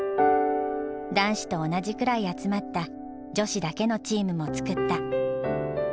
男子と同じくらい集まった女子だけのチームも作った。